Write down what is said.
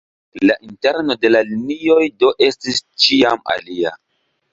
La interno de la linioj do estis ĉiam alia.